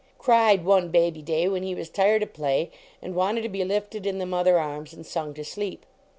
Cried, one baby day, when he was tired of play and wanted to be lifted in the mother arms and sung to sleep.